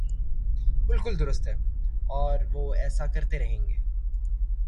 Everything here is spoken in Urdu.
بالکل درست ہے اور وہ ایسا کرتے رہیں گے۔